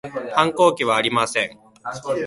反抗期はありません